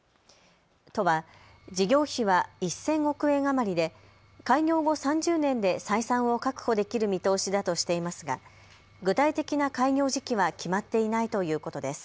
都は事業費は１０００億円余りで開業後３０年で採算を確保できる見通しだとしていますが具体的な開業時期は決まっていないということです。